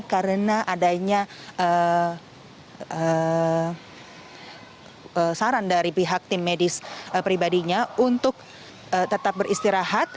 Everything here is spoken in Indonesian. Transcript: karena adanya saran dari pihak tim medis pribadinya untuk tetap beristirahat